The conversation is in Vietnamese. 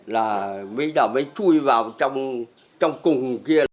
là bây giờ mới chui vào trong cùng kia